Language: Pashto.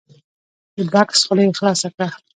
د بکس خوله یې خلاصه کړه !